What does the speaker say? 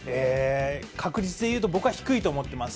確率でいうと、僕は低いと思ってます。